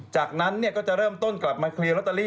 จากนั้นก็จะเริ่มต้นกลับมาเคลียร์ลอตเตอรี่